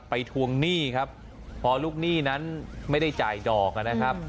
ทวงหนี้ครับพอลูกหนี้นั้นไม่ได้จ่ายดอกนะครับ